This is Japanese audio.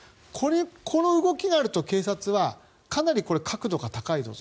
この動きがあると、警察はかなりこれ、確度が高いぞと。